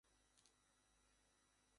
কত পড়ল চাকার তলায়, কত হল চিরজন্মের মতো পঙ্গু।